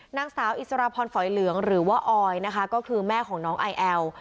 นางสาวอิสรพรฝอยเหลืองหรือว่าออยนะคะก็คือแม่ของน้องไอแอล